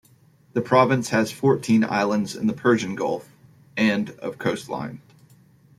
The province has fourteen islands in the Persian Gulf and of coastline.